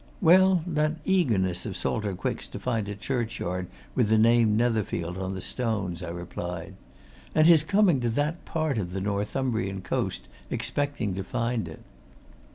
"Well, that eagerness of Salter Quick's to find a churchyard with the name Netherfield on the stones," I replied. "And his coming to that part of the Northumbrian coast expecting to find it.